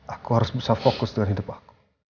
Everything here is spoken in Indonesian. aku harus bisa fokus dengan hidup aku